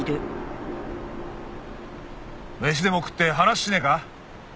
飯でも食って話しねえか？